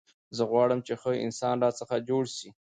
زه غواړم، چي ښه انسان راڅخه جوړ سي.